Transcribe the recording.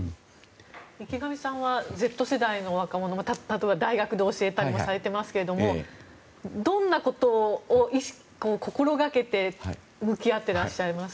池上さんはＺ世代の若者を例えば大学で教えたりもされていますけどもどんなことを心掛けて向き合ってらっしゃいますか？